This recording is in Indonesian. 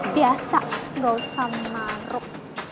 biasa gak usah maruk